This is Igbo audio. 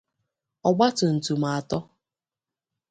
ọgbatumtum atọ